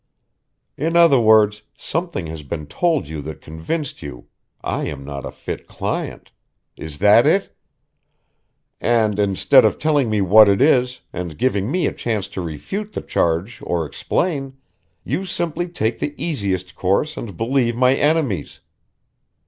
"In other words, something has been told you that convinced you I am not a fit client. Is that it? And, instead of telling me what it is, and giving me a chance to refute the charge or explain, you simply take the easiest course and believe my enemies.